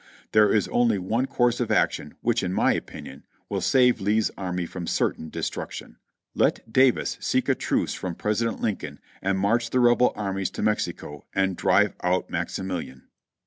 There is only one course of action which, in my opinion, will save Lee's army from certain destruction : Let Davis seek a truce from President Lin coln and march the Rebel armies to Mexico, and drive out Maxi milian."